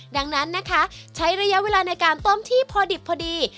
ดังนั้นนะคะใช้ระยะเวลาในการต้มที่พอดิบพอดี